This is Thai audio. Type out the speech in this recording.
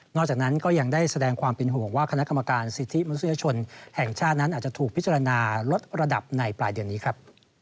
จากนั้นก็ยังได้แสดงความเป็นห่วงว่าคณะกรรมการสิทธิมนุษยชนแห่งชาตินั้นอาจจะถูกพิจารณาลดระดับในปลายเดือนนี้ครับ